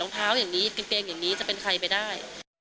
เท้าอย่างนี้กางเกงอย่างนี้จะเป็นใครไปได้